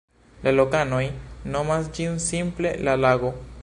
La lokanoj nomas ĝin simple "la lago".